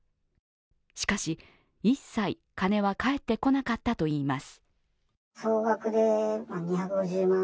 しかし、一切、金は返ってこなかったといいます。